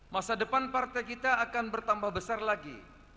masa depan partai kita akan bertambah besar lagi